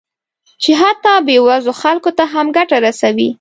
چې حتی بې وزلو خلکو ته هم ګټه رسوي